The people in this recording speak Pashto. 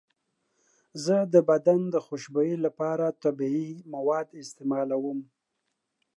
زه د بدن د خوشبویۍ لپاره طبیعي مواد استعمالوم.